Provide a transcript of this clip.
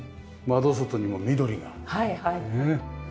窓外にも緑がねえ。